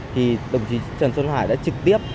thì đồng chí trần xuân hải đã trực tiếp